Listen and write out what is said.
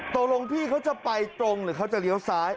ตกลงพี่เขาจะไปตรงหรือเขาจะเลี้ยวซ้าย